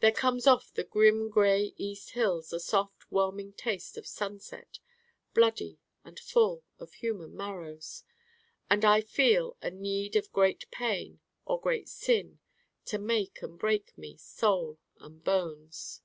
There comes off the grim gray east hills a soft whelming taste of Sunset, bloody and full of human marrows. And I feel a need of great Pain or great Sin to make and break me, Soul and bones.